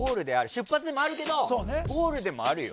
出発でもあるけどゴールでもあるよ。